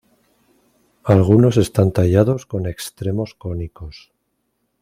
Algunos están tallados con extremos cónicos.